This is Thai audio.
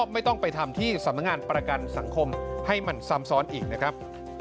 ไม่ต้องไปทำที่สำนักงานประกันสังคมให้มันซ้ำซ้อนอีกนะครับ